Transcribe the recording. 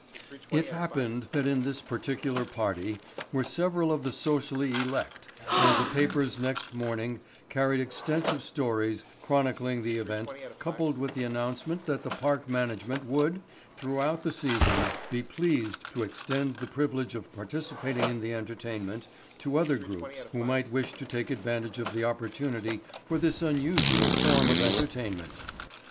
It happened that in this particular party were several of the socially elect and the papers next morning carried extensive stories chronicling the event coupled with the announcement that the park management would, throughout the season, be pleased to extend the privilege of participating in the entertainment to other groups who might wish to take advantage of the opportunity for this unusual form of entertainment.